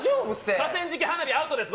河川敷、花火、アウトです。